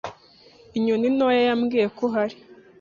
Inyoni ntoya yambwiye ko uhari.